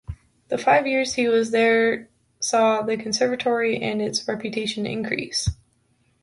The five years he was there saw the conservatory and its reputation increase.